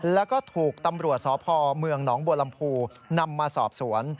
แล้วก็ถูกตำรวจสพเมืองหนองบัวลำพูนำมาสอบสวน